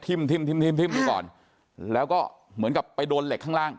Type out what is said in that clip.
ทิ้มทิ้มทิ้มทิ้มทิ้มก่อนแล้วก็เหมือนกับไปโดนเหล็กข้างล่าง